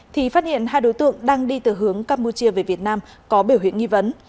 thì phát hiện hai đối tượng đang đi từ hướng campuchia về việt nam có biểu hiện nghi vấn